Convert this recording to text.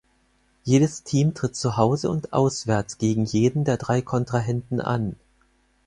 Jedes Team tritt zuhause und auswärts gegen jeden der drei Kontrahenten an.